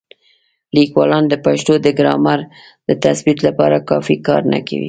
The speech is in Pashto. لیکوالان د پښتو د ګرامر د تثبیت لپاره کافي کار نه کوي.